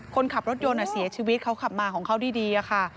คนขับรถยนต์เสียชีวิตเขาขับมาของเขาดีค่ะ